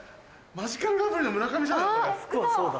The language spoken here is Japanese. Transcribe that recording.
マヂカルラブリーの村上じゃない？